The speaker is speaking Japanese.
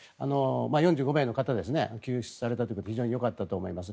４５名の方が救出されたということで非常によかったと思います。